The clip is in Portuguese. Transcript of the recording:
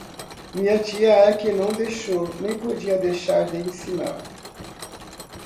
Minha tia é que não deixou nem podia deixar de ensinar